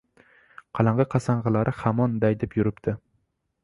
— Qalang‘i-qasang‘ilari hamon daydib yuribdi.